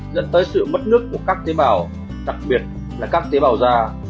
dẫn tới sự mất nước của các tế bào đặc biệt là các tế bào da